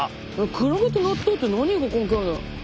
クラゲと納豆って何が関係あるんだろ？